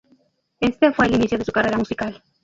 Este fue el inicio de su carrera musical.